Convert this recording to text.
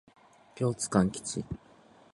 両津勘吉